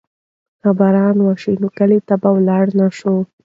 که باران وشي نو کلي ته به لاړ نه شو.